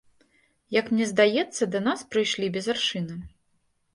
Як мне здаецца, да нас прыйшлі без аршына.